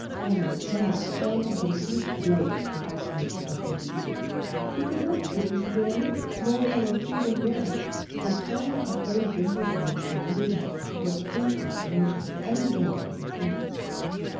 Honest Mark fell a complete slave to the fascinations of her beauty: he could not give a severe look, nor a reproving word: the twining of those dimpled arms around his neck brought instant submission to any whim of Miss Doris.